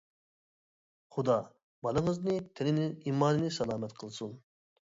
خۇدا بالىڭىزنى تېنىنى ئىمانىنى سالامەت قىلسۇن.